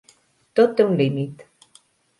Tot té un límit.